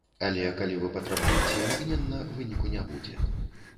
Але калі вы патрабуеце імгненна, выніку не будзе.